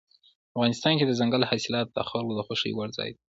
افغانستان کې دځنګل حاصلات د خلکو د خوښې وړ ځای دی.